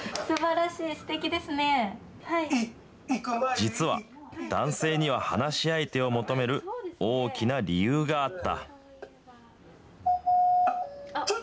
実は、男性には話し相手を求める大きな理由があった。